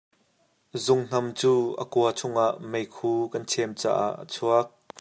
Zunghnam cu a kua chung ah meikhu kan chem caah a chuak.